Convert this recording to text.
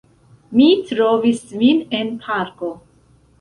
Mi trovis vin en parko!